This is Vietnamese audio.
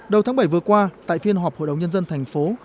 đầu tháng bảy vừa qua tại phiên họp hội đồng nhân dân thành phố